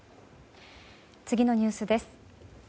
次のニュースです。